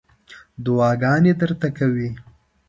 دعاګانې درته کوي.